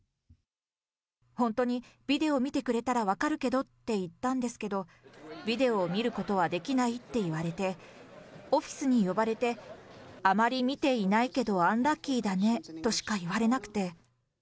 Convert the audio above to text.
本当にビデオ見てくれたら分かるけどって言ったんですけど、ビデオを見ることはできないって言われて、オフィスに呼ばれて、あまり見ていないけど、アンラッキーだねとしか言われなくて。